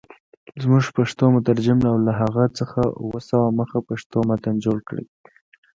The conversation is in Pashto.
زموږ پښتو مترجم له هغه څخه اووه سوه مخه پښتو متن جوړ کړی.